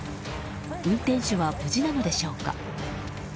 運転手は無事なのでしょうか。